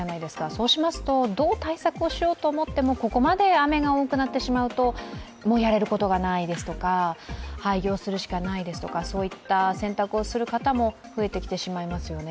そうしますと、どう対策をしようと思ってもここまで雨が多くなってしまうともうやれることがないですとか、廃業するしかないですとかそういった選択をする方も増えてきてしまいますよね。